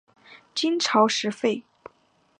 金朝时废。